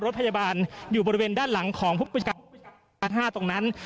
รถพยาบาลอยู่บริเวณด้านหลังของอาท่าตรงนั้น